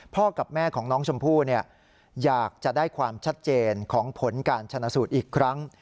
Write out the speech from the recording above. กับแม่ของน้องชมพู่อยากจะได้ความชัดเจนของผลการชนะสูตรอีกครั้ง